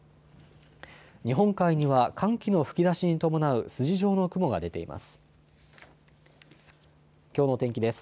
日本海には寒気の吹き出しに伴う筋状の雲が出ています。